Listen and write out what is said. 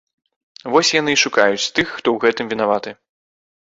Вось яны і шукаюць тых, хто ў гэтым вінаваты.